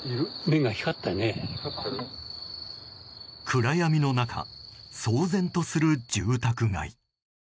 暗闇の中、騒然とする住宅街。